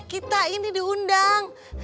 kita ini diundang